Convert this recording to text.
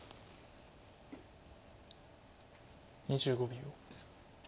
２５秒。